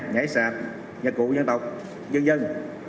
nhảy sạp nhặt cụ dân tộc dân dân